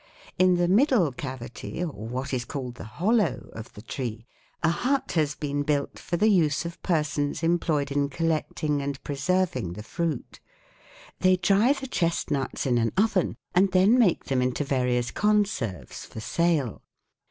In the middle cavity or what is called the hollow of the tree a hut has been built for the use of persons employed in collecting and preserving the fruit. They dry the chestnuts in an oven, and then make them into various conserves for sale.